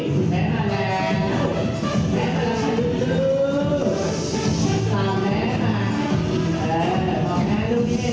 สุดท้ายก็ไม่มีเวลาที่จะรักกับที่อยู่ในภูมิหน้า